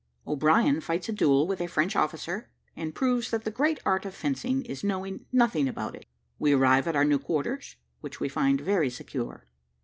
O'BRIEN FIGHTS A DUEL WITH A FRENCH OFFICER, AND PROVES THAT THE GREAT ART OF FENCING IS KNOWING NOTHING ABOUT IT WE ARRIVE AT OUR NEW QUARTERS, WHICH WE FIND VERY SECURE.